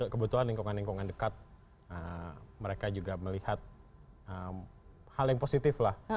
kebetulan lingkungan lingkungan dekat mereka juga melihat hal yang positif lah